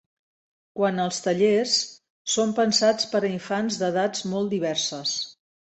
Quant als tallers, són pensats per a infants d’edats molt diverses.